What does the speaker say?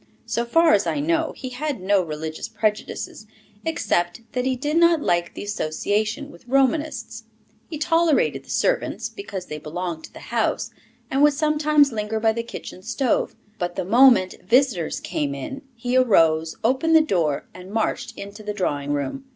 So far as I know, he had no religious prejudices, except that he did not like the association with Romanists. He tolerated the servants, because they belonged to the house, and would sometimes linger by the kitchen stove; but the moment visitors came in he arose, opened the door, and marched into the drawing room.